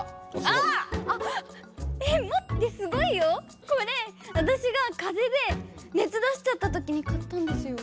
あっこれわたしがかぜでねつ出しちゃったときに買ったんですよ。